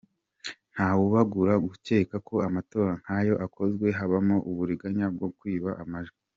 Ntawabura gukeka ko amatora nkayo akozwe habamo uburiganya bwo kwiba amajwi.